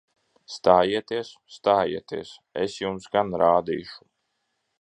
Stājieties! Stājieties! Es jums gan rādīšu!